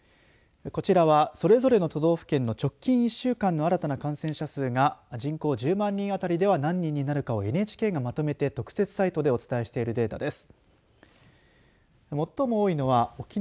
こちらは、それぞれの都道府県の直近１週間の新たな感染者数が人口１０万人あたりでは何人になるかをＮＨＫがまとめて特設サイトでお伝えしているデータです。